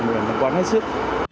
mình phải quan hệ sức